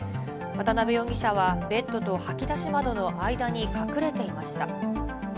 渡辺容疑者は、ベッドと掃き出し窓の間に隠れていました。